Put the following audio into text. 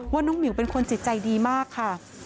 ว่าน้องหมิวเป็นคนจิตใจดีมากค่ะ